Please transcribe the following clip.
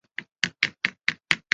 曾就读日本播音演技研究所。